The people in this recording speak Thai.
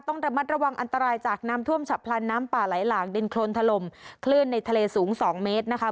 ต้องระมัดระวังอันตรายจากน้ำท่วมฉับพลันน้ำป่าไหลหลากดินโครนถล่มคลื่นในทะเลสูงสองเมตรนะคะ